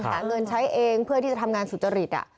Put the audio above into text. หาเงินใช้เองเพื่อที่จะทำงานสุจริต